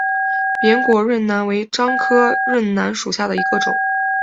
扁果润楠为樟科润楠属下的一个种。